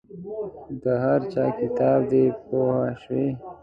د هر چا کتاب دی پوه شوې!.